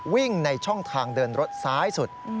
วิ่งในช่องทางเดินรถซ้ายสุด